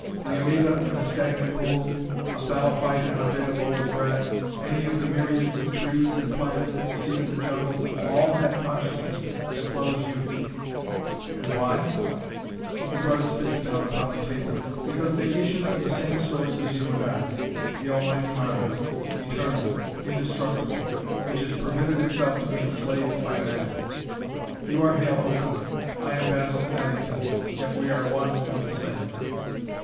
The amoeba in a stagnant pool, a thallophyte on a bit of old bread, any of the myriads of trees and plants that you see in the jungle all have consciousness as well as you. And why?" He brought his fist down upon the table. "Because they issue from the same source as you and I, the almighty mind, eternal, indestructible, which has permitted itself to be enslaved by matter. You are Hale Oakham. I am Basil Addington, yet we are one and the same.